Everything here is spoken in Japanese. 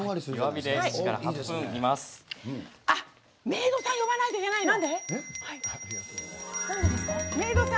メイドさん呼ばないといけないの。